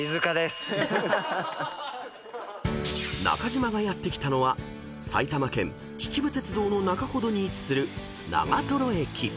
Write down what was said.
［中島がやって来たのは埼玉県秩父鉄道の中ほどに位置する］